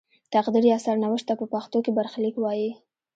تقدیر یا سرنوشت ته په پښتو کې برخلیک وايي.